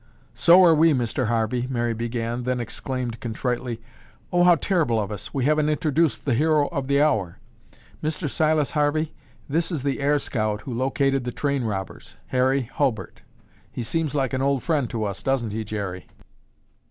"So are we, Mr. Harvey," Mary began, then exclaimed contritely, "Oh, how terrible of us. We haven't introduced the hero of the hour. Mr. Silas Harvey, this is the air scout who located the train robbers, Harry Hulbert. He seems like an old friend to us, doesn't he, Jerry?"